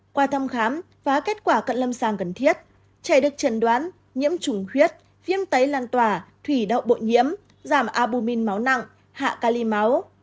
qua thăm khám và kết quả cận lâm sàng cần thiết trẻ được trần đoán nhiễm trùng huyết viêm tấy lan tỏa thủy đậu bội nhiễm giảm abumin máu nặng hạ ca ly máu